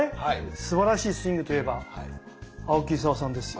すばらしいスイングといえば青木功さんですよ。